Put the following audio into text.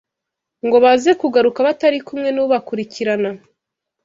ngo baze kugaruka batari kumwe n’ubakurikirana